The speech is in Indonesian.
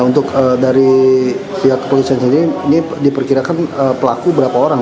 untuk dari pihak kepolisian sendiri ini diperkirakan pelaku berapa orang